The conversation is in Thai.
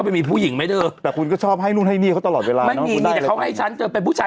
นี่เจี๊ยบเล่นเบียงแล้วนะ